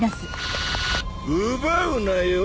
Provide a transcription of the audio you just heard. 奪うなよ。